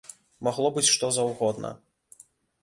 Магло быць што заўгодна.